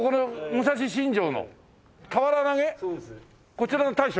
こちらの大将？